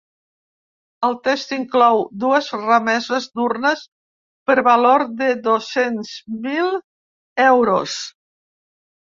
El text inclou dues remeses d’urnes per valor de dos-cents mil euros.